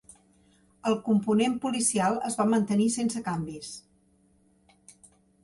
El component policial es va mantenir sense canvis.